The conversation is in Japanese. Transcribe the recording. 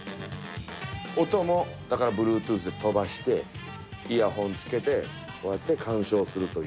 音もだからＢｌｕｅｔｏｏｔｈで飛ばしてイヤホン着けてこうやって観賞するという。